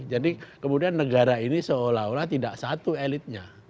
jadi kemudian negara ini seolah olah tidak satu elitnya